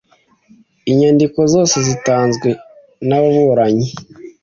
Inyandiko zose zitanzwe n ababuranyi